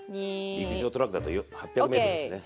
陸上トラックだと８００ｍですね。